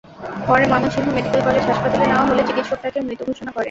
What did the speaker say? পরে Mymensingh medical college হাসপাতালে নেওয়া হলে চিকিৎসক তাঁকে মৃত ঘোষণা করেন।